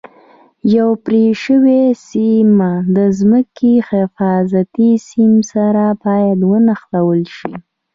یو پرې شوی سیم د ځمکې حفاظتي سیم سره باید ونښلول شي.